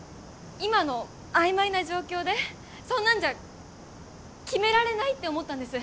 今の曖昧な状況でそんなんじゃ決められないって思ったんです